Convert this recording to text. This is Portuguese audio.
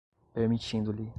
permitindo-lhe